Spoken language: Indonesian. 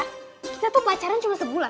kita tuh pacaran cuma sebulan